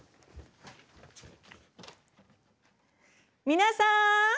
皆さん！